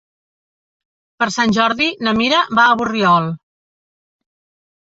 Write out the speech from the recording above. Per Sant Jordi na Mira va a Borriol.